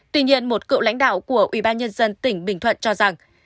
tuy nhiên một cựu lãnh đạo của ubnd tỉnh bình thuận cho rằng